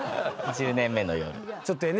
「１０年目の夜」。